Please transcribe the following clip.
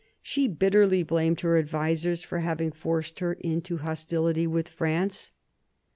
She bitterly blamed her advisers for having forced her into hostility with* France.